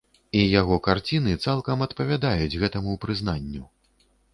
І яго карціны цалкам адпавядаюць гэтаму прызнанню.